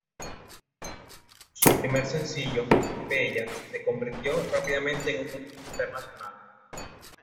Su primer sencillo "Bella" se convirtió rápidamente en un hit internacional.